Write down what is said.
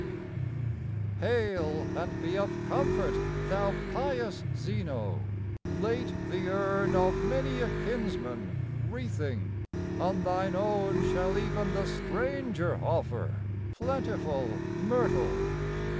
VI Hail, and be of comfort, thou pious Xeno, Late the urn of many a kinsman wreathing; On thine own shall even the stranger offer Plentiful myrtle.